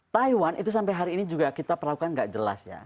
taiwan itu sampai hari ini juga kita perlakukan gak jelas ya